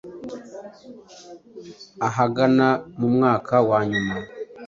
ahagana mu mwaka wanyuma